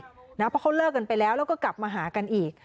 เพราะเขาเลิกกันไปแล้วแล้วก็กลับมาหากันอีก